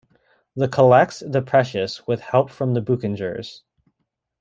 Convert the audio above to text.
The collects the Precious with help from the Boukengers.